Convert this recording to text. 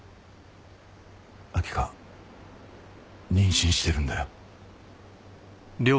秋香妊娠してるんだよ。